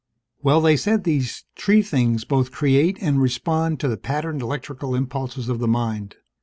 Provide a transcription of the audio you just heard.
"Well, they said these tree things both create and respond to the patterned electrical impulses of the mind.